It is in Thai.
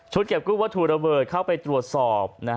เก็บกู้วัตถุระเบิดเข้าไปตรวจสอบ